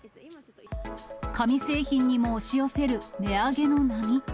紙製品にも押し寄せる値上げの波。